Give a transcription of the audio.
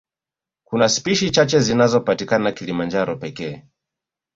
Kuna spishi chache zinazopatikana Kilimanjaro pekee